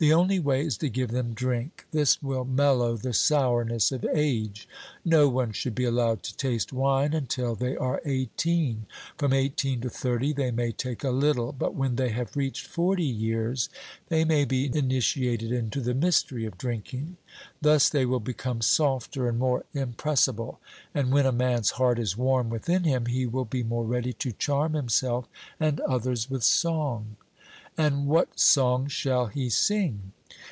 The only way is to give them drink; this will mellow the sourness of age. No one should be allowed to taste wine until they are eighteen; from eighteen to thirty they may take a little; but when they have reached forty years, they may be initiated into the mystery of drinking. Thus they will become softer and more impressible; and when a man's heart is warm within him, he will be more ready to charm himself and others with song. And what songs shall he sing?